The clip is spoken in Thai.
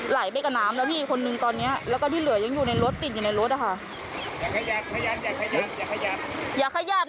ไหลไปกับน้ำแล้วพี่คนหนึ่งตอนนี้